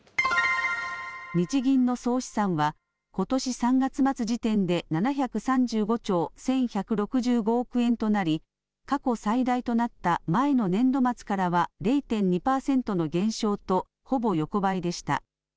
日銀の総資産は、ことし３月末時点で、７３５兆１１６５億円となり、過去最大となった前の年度末からは０．２％の減少と、ほぼ横ばいでした。